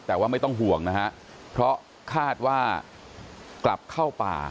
แต่ว่าไม่ต้องห่วงนะฮะเพราะคาดว่ากลับเข้าป่า